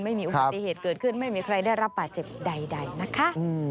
ไม่มีอุบัติเหตุเกิดขึ้นไม่มีใครได้รับบาดเจ็บใดนะคะ